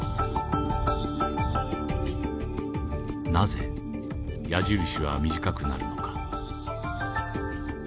なぜ矢印は短くなるのか。